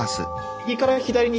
右から左に。